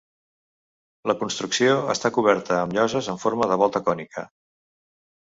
La construcció està coberta amb lloses en forma de volta cònica.